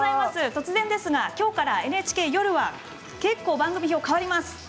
突然ですがきょうからＮＨＫ、夜は結構番組が変わります。